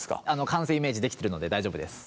完成イメージ出来てるので大丈夫です。